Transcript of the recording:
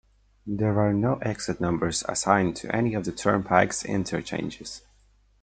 There are no exit numbers assigned to any of the turnpike's interchanges.